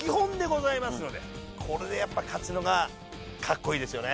これでやっぱ勝つのがカッコいいですよね。